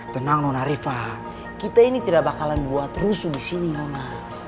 tenang nona rifa kita ini tidak bakalan buat rusuh di sini nona